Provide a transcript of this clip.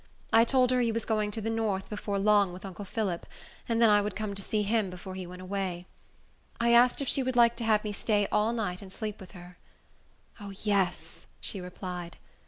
I told her he was going to the north, before long, with uncle Phillip, and then I would come to see him before he went away. I asked if she would like to have me stay all night and sleep with her. "O, yes," she replied.